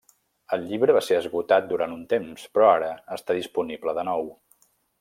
El llibre va ser esgotat durant un temps, però ara està disponible de nou.